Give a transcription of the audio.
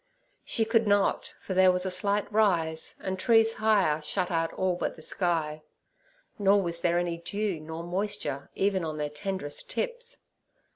She could not, for there was a slight rise, and trees higher shut out all but the sky. Nor was there any dew nor moisture even on their tenderest tips.